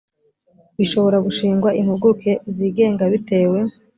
bishobora gushingwa impuguke zigenga bitewe